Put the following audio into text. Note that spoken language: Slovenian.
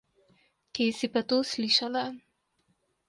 Kje pa si to slišala?